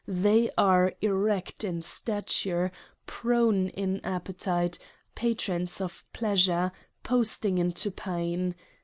They are Erect in Stature, prone in Appetite ; Patrons of Pleasure, posting into Pain.